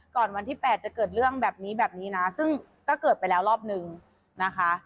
วันที่๘จะเกิดเรื่องแบบนี้แบบนี้นะซึ่งถ้าเกิดไปแล้วรอบนึงนะคะ